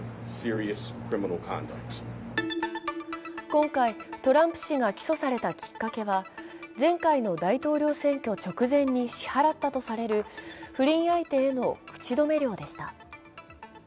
今回、トランプ氏が起訴されたきっかけは前回の大統領選挙直前に支払ったとされる不倫相手への口止め料でした。